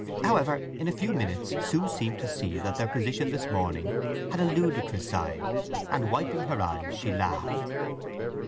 However, in a few minutes Sue seemed to see that their position this morning had a ludicrous side, and wiping her eyes she laughed.